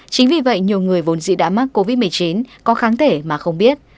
chính vì vậy nhiều người vốn dĩ đã mắc covid một mươi chín có kháng thể mà không biết